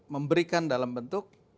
memberikan dalam bentuk